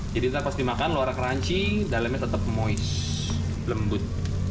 jadi kita pas dimakan luar keranci dalemnya tetap moist lembut